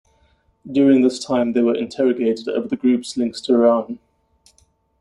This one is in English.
During this time they were interrogated over the groups links to Iran.